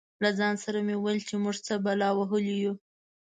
له ځان سره مې ویل چې موږ څه بلا وهلي یو.